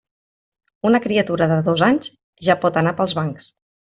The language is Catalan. Una criatura de dos anys, ja pot anar pels bancs.